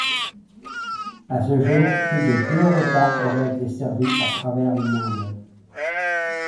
À ce jour, plus de de repas auraient été servis à travers le monde.